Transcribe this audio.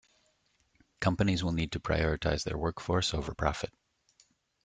Companies will need to prioritize their workforce over profit.